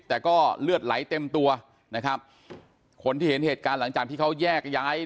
แต่ก็เลือดไหลเต็มตัวนะครับคนที่เห็นเหตุการณ์หลังจากที่เขาแยกย้าย